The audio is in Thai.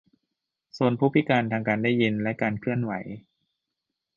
โซนผู้พิการทางการได้ยินและการเคลื่อนไหว